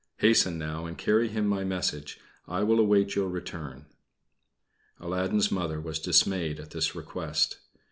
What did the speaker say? Hasten now and carry him my message. I will await your return." Aladdin's Mother was dismayed at this request.